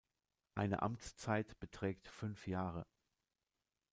Eine Amtszeit beträgt fünf Jahre.